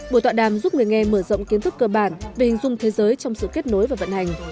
buổi tọa đàm giúp người nghe mở rộng kiến thức cơ bản về hình dung thế giới trong sự kết nối và vận hành